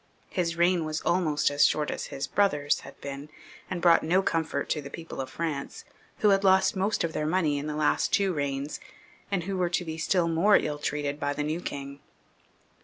His reign was almost as short as his brother's had been, and brought no comfort to the people of France, who had lost most of their money in the last two reigns, and who were to be still more ill treated by the new king.